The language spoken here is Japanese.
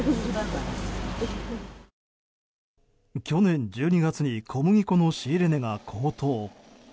去年１２月に小麦粉の仕入れ値が高騰。